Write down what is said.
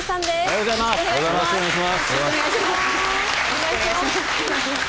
おはようございます。